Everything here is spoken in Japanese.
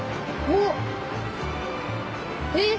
おっ！